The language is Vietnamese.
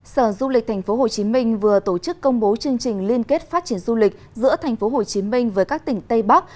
sở du lịch tp hcm vừa tổ chức công bố chương trình liên kết phát triển du lịch giữa tp hcm với các tỉnh tây bắc